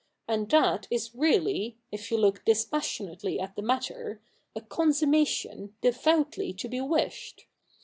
' And that is really, if you look dispassionately at the matter, a consummation devoutly to be wished.